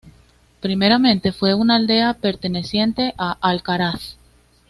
Primeramente fue una aldea perteneciente a Alcaraz.